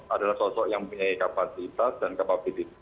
adalah sosok yang punya kapasitas dan kapabilitas